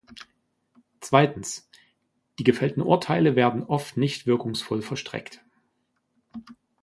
Zweitens, die gefällten Urteile werden oft nicht wirkungsvoll vollstreckt.